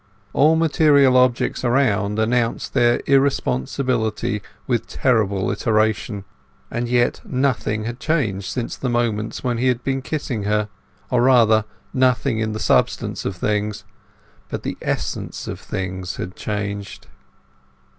All material objects around announced their irresponsibility with terrible iteration. And yet nothing had changed since the moments when he had been kissing her; or rather, nothing in the substance of things. But the essence of things had changed.